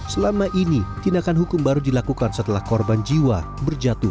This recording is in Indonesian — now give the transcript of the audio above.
selama ini tindakan hukum baru dilakukan setelah korban jiwa berjatuh